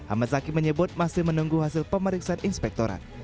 ahmad zaki menyebut masih menunggu hasil pemeriksaan inspektorat